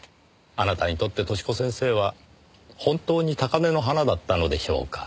あなたにとって寿子先生は本当に高嶺の花だったのでしょうか？